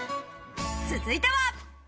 続いては。